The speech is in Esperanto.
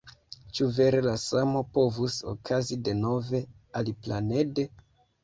Ĉu vere la samo povus okazi denove, aliplanede?